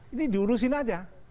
ini diurusin aja